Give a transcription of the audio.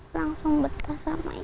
langsung betah sama ibu